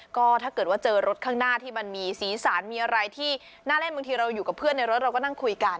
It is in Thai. ก็ถ้าเกิดว่าเจอรถข้างหน้าที่มันมีสีสารมีอะไรที่น่าเล่นบางทีเราอยู่กับเพื่อนในรถเราก็นั่งคุยกัน